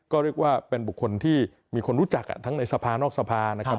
ก็เรียกว่าเป็นบุคคลที่มีคนรู้จักทั้งในสภานอกสภานะครับ